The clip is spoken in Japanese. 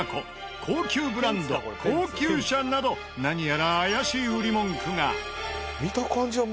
高級ブランド高級車など何やら怪しい売り文句が。